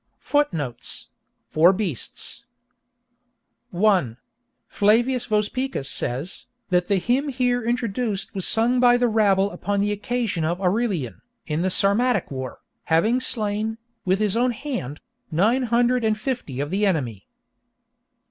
Footnotes—Four Beasts (*1) Flavius Vospicus says, that the hymn here introduced was sung by the rabble upon the occasion of Aurelian, in the Sarmatic war, having slain, with his own hand, nine hundred and fifty of the enemy.